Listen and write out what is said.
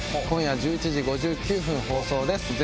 今夜１１時５９分放送です